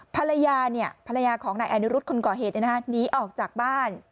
ภรรยาภรรยาของนายอนุรุษคนก่อเหตุหนีออกจากบ้าน